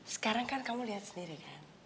sekarang kan kamu lihat sendiri kan